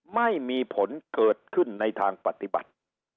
ไม่มีผลเกิดขึ้นในทางปฏิบัติ